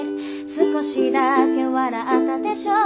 「少しだけ笑ったでしょ？